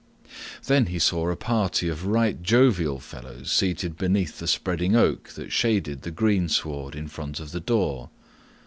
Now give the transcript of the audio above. There he saw a party of right jovial fellows seated beneath the spreading oak that shaded the greensward in front of the door.